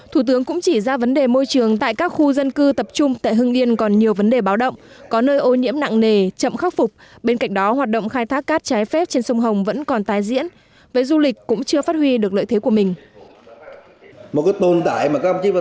thủ tướng cũng chỉ rõ tốc độ tiềm năng lợi thế của tỉnh thu nhập bình quân đầu người còn thấp